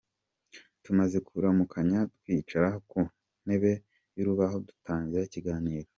Tumaze kuramukanya twicara ku ntebe y’urubaho dutangira ikiganiro.